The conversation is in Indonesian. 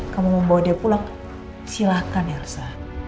kamu membawa dia pulang silahkan ya elsa